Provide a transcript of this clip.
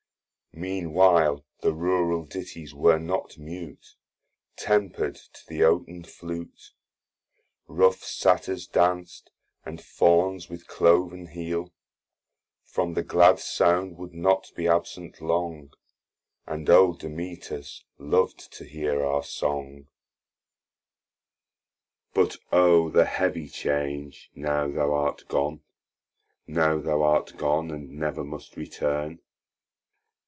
Mean while the Rural ditties were not mute, Temper'd to th' Oaten Flute; Rough Satyrs danc'd, and Fauns with clov'n heel, From the glad sound would not be absent long, And old Damaetas lov'd to hear our song, But O the heavy change, now thou art gon, Now thou art gon, and never must return!